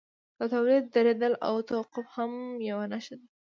د تولید درېدل او توقف هم یوه نښه ده